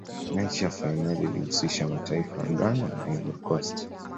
mechi ya fainali ilihusisha mataifa ya ghana na ivory coast